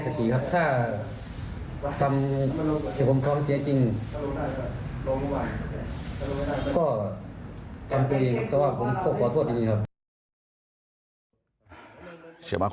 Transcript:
แทงไปเรื่อย